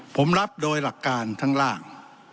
ผมรับโดยหลักการทั้งล่าง